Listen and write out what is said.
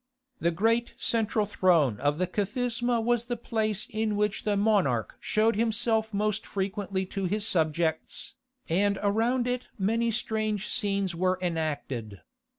The great central throne of the Kathisma was the place in which the monarch showed himself most frequently to his subjects, and around it many strange scenes were enacted.